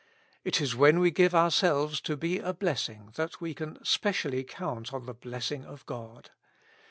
It is when we give ourselves to be a blessing that we can specially count on the blessing of God.